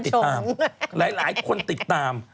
คือมันกลายเป็นที่หลายคนติดตาม